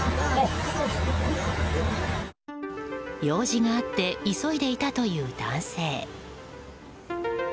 用事があって急いでいたという男性。